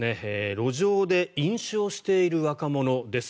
路上で飲酒をしている若者です。